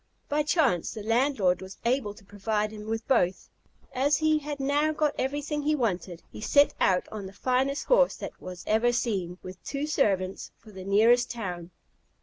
By chance the landlord was able to provide him with both. As he had now got everything he wanted, he set out on the finest horse that was ever seen, with two servants, for the nearest town.